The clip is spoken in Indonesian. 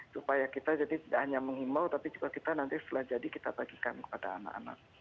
supaya kita jadi tidak hanya menghimbau tapi juga kita nanti setelah jadi kita bagikan kepada anak anak